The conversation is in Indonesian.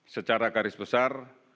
secara garis besar